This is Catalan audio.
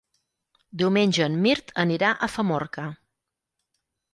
Diumenge en Mirt anirà a Famorca.